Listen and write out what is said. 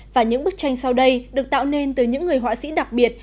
và những bức tranh sau đây được tạo nên từ những người họa sĩ đặc biệt